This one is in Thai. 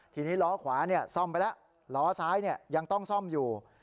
ทีนี้ล้อขวาซ่อมไปแล้วล้อซ้ายยังต้องซ่อมอยู่